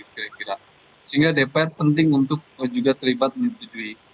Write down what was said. sehingga dpr penting untuk juga terlibat menyetujui